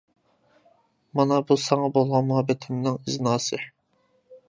مانا بۇ ساڭا بولغان مۇھەببىتىمنىڭ ئىزناسى.